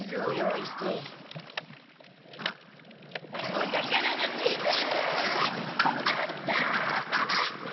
お宝の地図！あった！